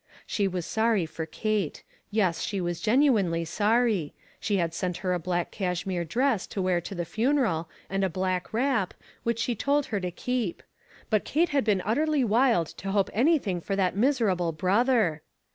She was sorry for Kate. Yes, she was genuinely sony ; and had sent her a black cashmere dress to wear to the funeral, and a black wrap, which she told her to keep ; but Kate had been utterly wild to hope anything for that miserable brother.